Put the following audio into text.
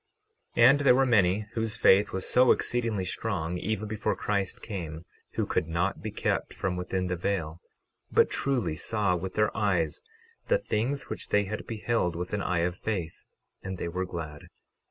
12:19 And there were many whose faith was so exceedingly strong, even before Christ came, who could not be kept from within the veil, but truly saw with their eyes the things which they had beheld with an eye of faith, and they were glad.